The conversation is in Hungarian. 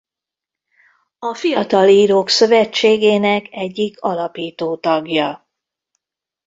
A Fiatal Írók Szövetségének egyik alapító tagja.